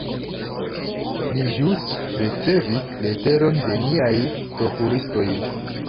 Ni ĵus ricevis leteron de niaj prokuristoj.